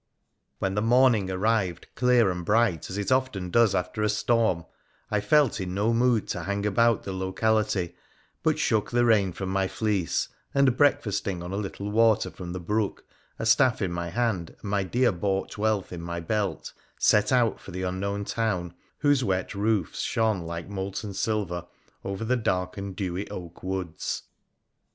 When the morning arrived clear and bright, as it often does after a storm, I felt in no mood to hang about the locality, but shook the rain from my fleece, and breakfasting on a little water from the brook, a staff in my hand, and my dear bought wealth in my belt, set out for the unknown town, whose wet roofs shone like molten silver over the dark and dewy oak woods.